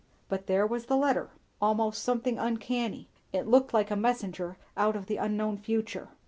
But there was the letter; almost something uncanny; it looked like a messenger out of the unknown future.